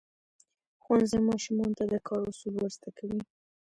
ښوونځی ماشومانو ته د کار اصول ورزده کوي.